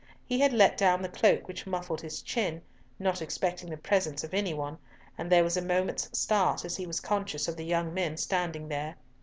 He had let down the cloak which muffled his chin, not expecting the presence of any one, and there was a moment's start as he was conscious of the young men standing there.